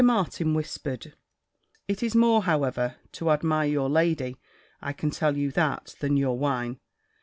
Martin whispered "It is more, however, to admire your lady, I can tell you that, than your wine.